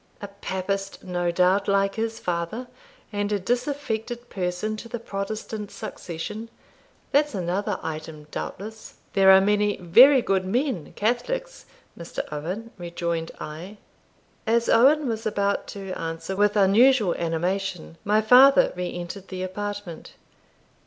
a Papist, no doubt, like his father, and a disaffected person to the Protestant succession that's another item, doubtless." "There are many very good men Catholics, Mr. Owen," rejoined I. As Owen was about to answer with unusual animation, my father re entered the apartment.